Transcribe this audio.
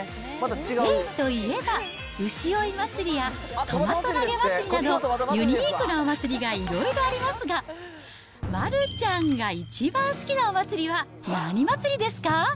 スペインといえば、牛追い祭りやトマト投げ祭りなど、ユニークなお祭りがいろいろありますが、丸ちゃんが一番好きなお祭りは、何祭りですか？